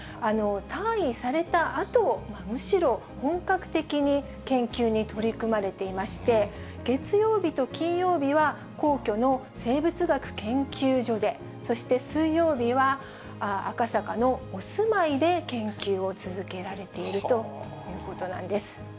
退位されたあと、むしろ、本格的に研究に取り組まれていまして、月曜日と金曜日は皇居の生物学研究所で、そして水曜日は、赤坂のお住まいで研究を続けられているということなんです。